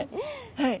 はい。